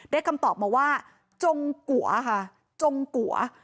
ได้คำตอบมาว่าจงกวะค่ะจงกวะ